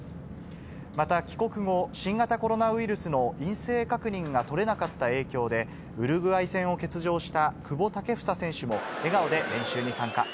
また帰国後、新型コロナウイルスの陰性確認が取れなかった影響で、ウルグアイ戦を欠場した久保建英選手も笑顔で練習に参加。